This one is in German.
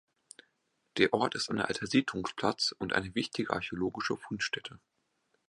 Der Ort ist ein alter Siedlungsplatz und eine wichtige archäologische Fundstelle.